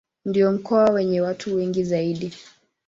Ndio mkoa wenye watu wengi zaidi.